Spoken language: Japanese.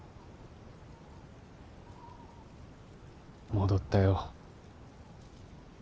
戻ったよ。